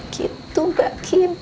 gitu mbak kim